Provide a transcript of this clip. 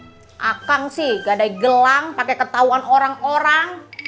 belakang sih gadai gelang pakai ketahuan orang orang